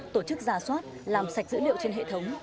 tổ chức giả soát làm sạch dữ liệu trên hệ thống